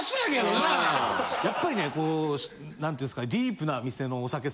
やっぱりねこうなんて言うんですかね。